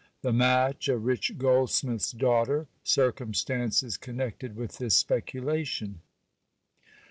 The match, a rich goldsmith's daughter. Circumstances connected with this speculation.